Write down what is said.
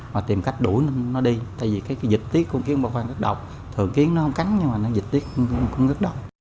và tìm cách đuổi nó đi tại vì dịch tiết của kiến bà khoang rất độc thường kiến nó không cắn nhưng dịch tiết cũng rất độc